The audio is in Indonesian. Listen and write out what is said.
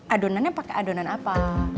adonannya pakai adonan apa